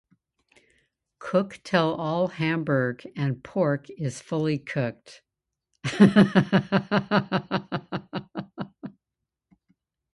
Cook till all Hamburg and pork is fully cooked.